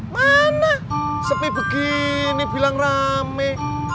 mana sepi begini bilang rame